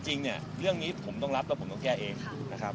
จริงเนี่ยเรื่องนี้ผมต้องรับแล้วผมต้องแก้เองนะครับ